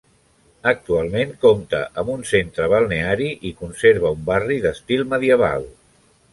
Actualment compta amb un centre balneari i conserva un barri d'estil medieval.